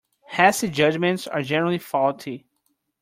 Hasty judgements are generally faulty.